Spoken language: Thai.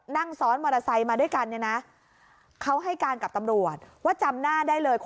นั่งซ้อนมอเตอร์ไซค์มาด้วยกันเนี่ยนะเขาให้การกับตำรวจว่าจำหน้าได้เลย